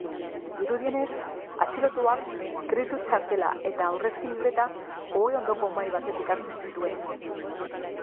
Dirudienez, atxilotuak kreditu-txartela eta aurrezki-libreta ohe ondoko mahai batetik hartzen zituen.